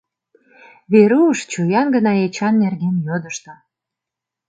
Веруш чоян гына Эчан нерген йодышто.